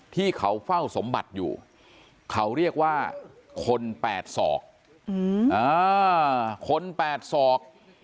ที่เขาเฝ้าสมบัติอยู่เขาเรียกว่าคน๘ศอกคน๘ศอก